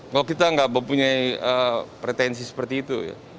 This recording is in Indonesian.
kalau kita tidak mempunyai pretensi seperti itu